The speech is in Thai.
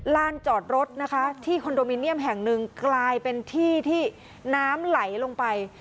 ลานจอดรถนะคะที่แห่งหนึ่งกลายเป็นที่น้ำไหลลงไป